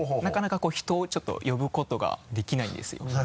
なかなか人をちょっと呼ぶことができないんですよ。